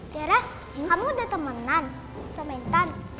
tiara kamu udah temenan sama intan